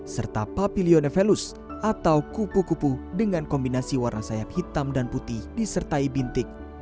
serta papilionevelus atau kupu kupu dengan kombinasi warna sayap hitam dan putih disertai bintik